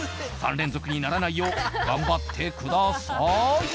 ３連続にならないよう頑張ってください！